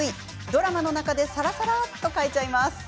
ドラマの中でさらさらっと描いちゃいます。